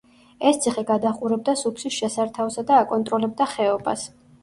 ეს ციხე გადაჰყურებდა სუფსის შესართავსა და აკონტროლებდა ხეობას.